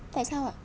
tại sao ạ